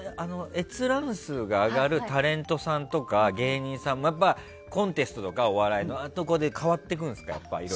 閲覧数が上がるタレントさんとか芸人さんはお笑いのコンテストとかで変わっていくんですか？